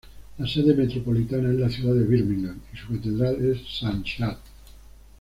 La sede metropolitana es la ciudad de Birmingham y su catedral es San Chad.